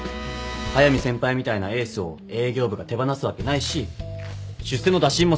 速見先輩みたいなエースを営業部が手放すわけないし出世の打診もされてたし。